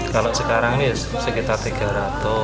kalau sekarang sekitar tiga ratus